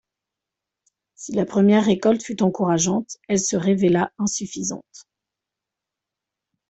Si la première récolte fut encourageante, elle se révéla insuffisante.